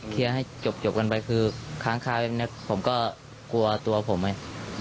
เคลียร์ให้จบจบกันไปคือครั้งคราวนี้ผมก็กลัวตัวผมไว้